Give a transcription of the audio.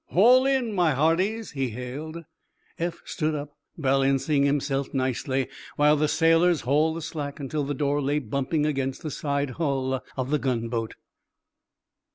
"Haul in, my hearties," he hailed. Eph stood up, balancing himself nicely while the sailors hauled the slack until the door lay bumping against the side hull of the gunboat.